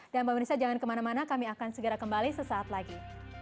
dan mbak melissa jangan kemana mana kami akan segera kembali sesaat lagi